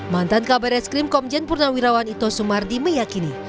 mantan kabar eskrim komjen purnawirawan ito sumardi meyakini